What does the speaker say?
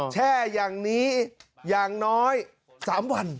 แช่อย่างนี้อย่างน้อย๓วัน